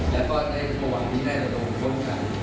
แล้วก็ได้ประวัติที่ได้ตรงต้นกัน